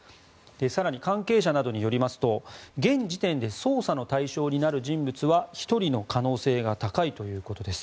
更に、関係者などによりますと現時点で捜査の対象になる人物は１人の可能性が高いということです。